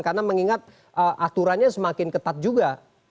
karena mengingat aturannya semakin ketat juga